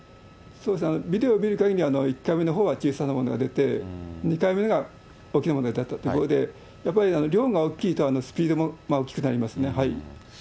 そうですね、ビデオを見るかぎり、１回目のほうが小さなものが出て、２回目が大きなものだったということで、やっぱり量が大きいと、スピードも大きくなりますね。